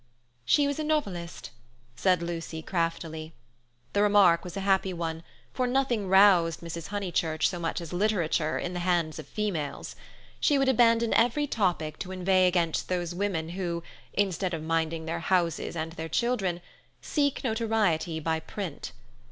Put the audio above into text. "She was a novelist," said Lucy craftily. The remark was a happy one, for nothing roused Mrs. Honeychurch so much as literature in the hands of females. She would abandon every topic to inveigh against those women who (instead of minding their houses and their children) seek notoriety by print.